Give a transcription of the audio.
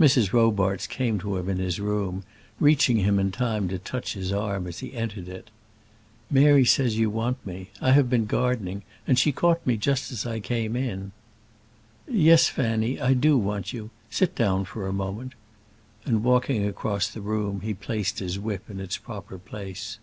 Mrs. Robarts came to him in his room, reaching him in time to touch his arm as he entered it. "Mary says you want me. I have been gardening, and she caught me just as I came in." "Yes, Fanny, I do want you. Sit down for a moment." And walking across the room, he placed his whip in its proper place.